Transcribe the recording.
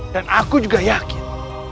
dan aku juga yakin